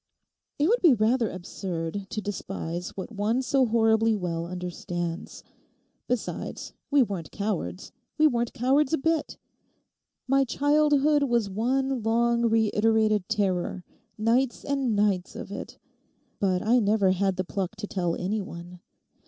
'It would be rather absurd to despise what one so horribly well understands. Besides, we weren't cowards—we weren't cowards a bit. My childhood was one long, reiterated terror—nights and nights of it. But I never had the pluck to tell any one.